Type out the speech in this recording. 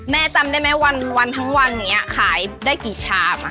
ไปจำได้ไหมวันทั้งวันไงขายได้กี่ชามอ่ะ